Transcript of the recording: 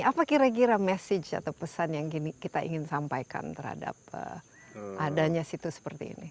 apa kira kira message atau pesan yang kita ingin sampaikan terhadap adanya situs seperti ini